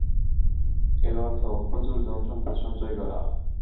এর অর্থ প্রচুর ধন-সম্পদ সঞ্চয় করা।